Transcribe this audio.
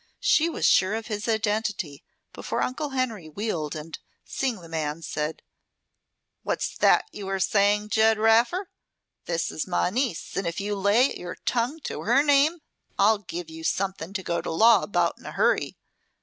She was sure of his identity before uncle Henry wheeled and, seeing the man, said: "What's that you are saying, Ged Raffer? This is my niece, and if you lay your tongue to her name, I'll give you something to go to law about in a hurry.